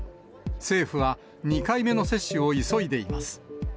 政府は２回目の接種を急いでいます。